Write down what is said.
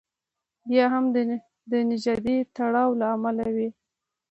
یا هم د نژادي تړاو له امله وي.